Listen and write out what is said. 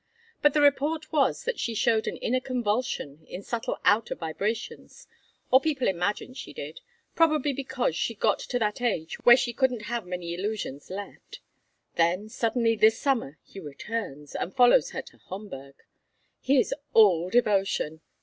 But the report was that she showed an inner convulsion in subtle outer vibrations, or people imagined she did, probably because she'd got to that age where she couldn't have many illusions left. Then, suddenly, this summer, he returns, and follows her to Homburg. He is all devotion.